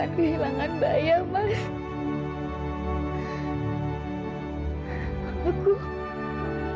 jangan kehilangan bayah mas